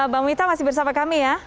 bang mita masih bersama kami ya